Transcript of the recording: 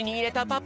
パパ。